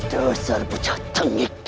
desar bucah tengik